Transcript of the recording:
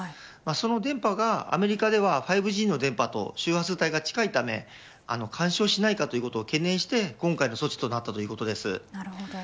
その電波がアメリカでは５Ｇの電波と周波数帯が近いため干渉しないかということを懸念して今回の措置となったということです。